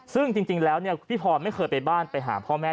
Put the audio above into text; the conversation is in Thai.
ซึ่งจริงแล้วพี่พรไม่เคยไปบ้านไปหาพ่อแม่